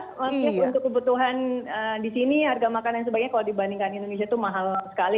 terus untuk kebutuhan di sini harga makanan sebagainya kalau dibandingkan indonesia itu mahal sekali